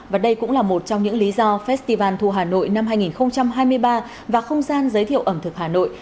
và đây cũng là một trong những lý do festival thu hà nội năm hai nghìn hai mươi ba và không gian giới thiệu ẩm thực hà nội